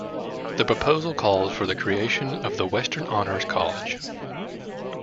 The proposal called for the creation of the Western Honors College.